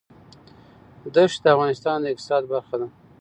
دښتې د افغانستان د اقتصاد برخه ده.